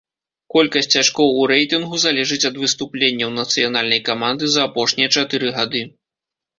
Колькасць ачкоў у рэйтынгу залежыць ад выступленняў нацыянальнай каманды за апошнія чатыры гады.